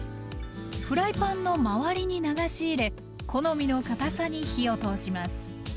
フライパンの周りに流し入れ好みのかたさに火を通します。